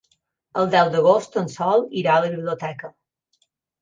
El deu d'agost en Sol irà a la biblioteca.